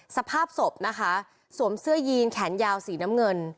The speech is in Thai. สภาพศพนะคะสวมเสื้อยีนแขนยาวสีน้ำเงิน